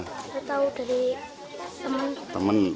saya tahu dari temen